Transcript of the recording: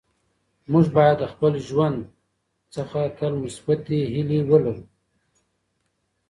موږ باید له خپل ژوند څخه تل مثبتې هیلې ولرو.